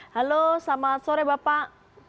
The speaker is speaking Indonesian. halo selamat sore bapak